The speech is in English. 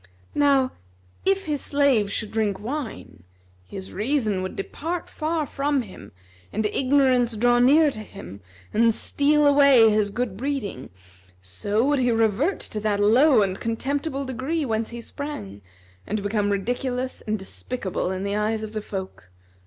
Now, if his slave should drink wine, his reason would depart far from him and ignorance draw near to him and steal away his good breeding, so would he revert to that low and contemptible degree, whence he sprang, and become ridiculous and despicable in the eyes of the folk.